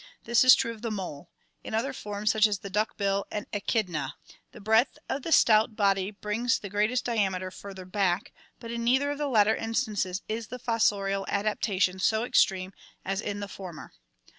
This is true of the mole; in other forms, such as the duck bill and echidna, the breadth of the stout body brings the greatest diameter further back, but in neither of the latter instances is the fossorial adaptation so extreme as in the former.